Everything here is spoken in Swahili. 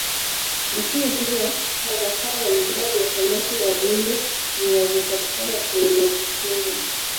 Lakini pia chaza hawa ni baadhi ya samaki na viumbe vinavyopatikana kwenye maji chumvi